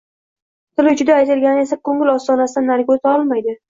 Til uchida aytilgani esa ko‘ngil ostonasidan nariga o‘ta olmaydi.